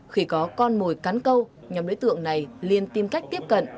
khi có con mồi cắn câu nhóm đối tượng này liên tìm cách tiếp cận